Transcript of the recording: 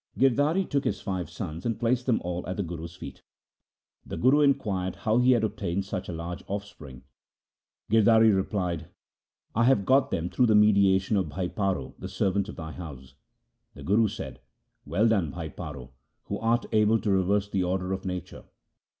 Girdhari took his five sons and placed them all at the Guru's feet. The Guru inquired how he had obtained such a large offspring. Girdhari replied, ' I have got them through the mediation of Bhai Paro, the servant of thy house.' The Guru said, ' Well done, Bhai Paro, who art able to reverse the order of nature